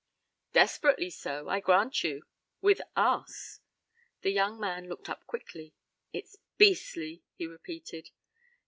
"Desperately so, I grant you with us." The young man looked up quickly. "It's beastly," he repeated.